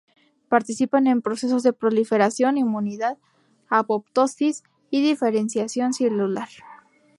Participan en procesos de proliferación, inmunidad, apoptosis, y diferenciación celular.